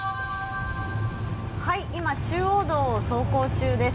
今、中央道を走行中です。